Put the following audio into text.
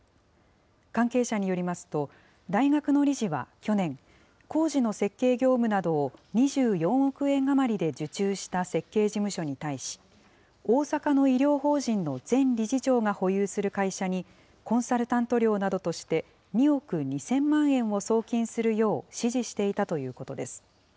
関係者によりますと、大学の理事は去年、工事の設計業務などを２４億円余りで受注した設計事務所に対し、大阪の医療法人の前理事長が保有する会社に、コンサルタント料などとして、２億２０００万円を送金するよう指示していたということです。